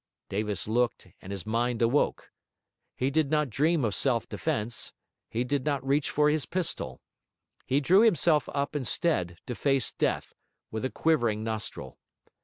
Davis looked, and his mind awoke. He did not dream of self defence, he did not reach for his pistol. He drew himself up instead to face death, with a quivering nostril.